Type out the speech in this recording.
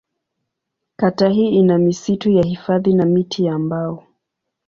Kata hii ina misitu ya hifadhi na miti ya mbao.